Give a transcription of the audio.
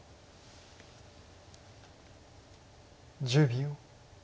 １０秒。